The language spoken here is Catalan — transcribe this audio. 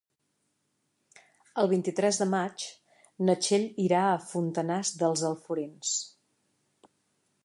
El vint-i-tres de maig na Txell irà a Fontanars dels Alforins.